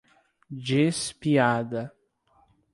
Diz piada